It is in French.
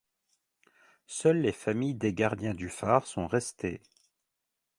Seuls les familles des gardiens du phare sont restées.